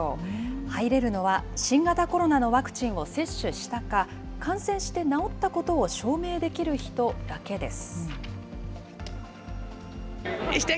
入れるのは、新型コロナのワクチンを接種したか、感染して治ったことを証明できる人だけです。